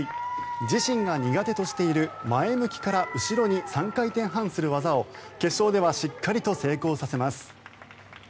自身が苦手としている前向きから後ろに３回転半する技を決勝ではしっかりと成功させます。